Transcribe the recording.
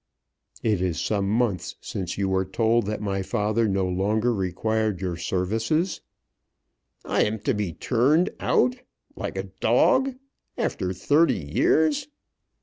"It is some months since you were told that my father no longer required your services." "I am to be turned out, like a dog, after thirty years!"